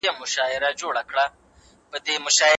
څه وخت ملي سوداګر ډیزل تیل هیواد ته راوړي؟